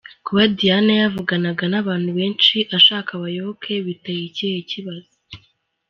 Kuba Diane yavuganaga n’abantu benshi ashaka abayoboke biteye ikihe kibazo?